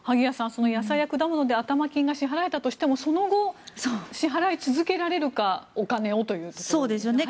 その野菜や果物で頭金が支払えたとしてもその後、支払い続けられるかお金をというところですよね。